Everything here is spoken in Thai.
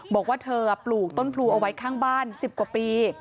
บอกว่าเธอปลูกต้นพลูเอาไว้ข้างบ้าน๑๐กว่าปี